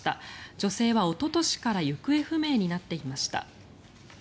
女性はおととしから行方不明になっていました。